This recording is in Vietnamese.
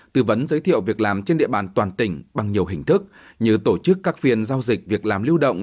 tư vấn giới thiệu việc làm trên địa bàn toàn tỉnh bằng nhiều hình thức như tổ chức các phiên giao dịch việc làm lưu động